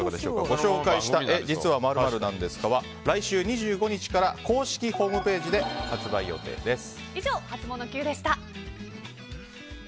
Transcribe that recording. ご紹介した「え！実は○○なんですか？」は来週２５日から公式ホームページで発売予定です。